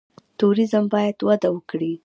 توریزم باید وده وکړي